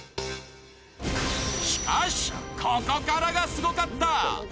しかし、ここからがすごかった。